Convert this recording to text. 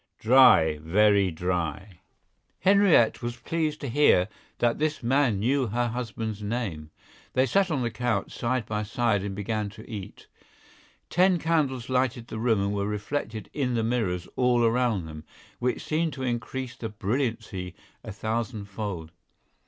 "Dry, very dry." Henriette was pleased to hear that this man knew her husband's name. They sat on the couch, side by side, and began to eat. Ten candles lighted the room and were reflected in the mirrors all around them, which seemed to increase the brilliancy a thousand fold.